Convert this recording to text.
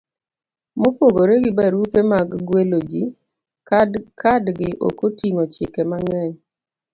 Mopogore gi barupe mag gwelo ji, kadgi ok oting'o chike mang'eny: